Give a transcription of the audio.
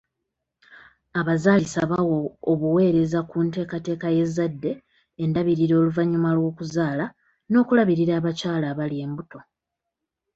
Abazaalisa bawa obuweereza ku nteekateeka y'ezzadde, endabirira oluvannyuma lw'okuzaala n'okulabirira abakyala abali embuto.